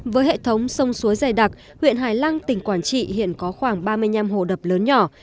với hệ thống sông suối dày đặc huyện hải lăng tỉnh quảng trị hiện có khoảng ba mươi năm hồ đập lớn nhỏ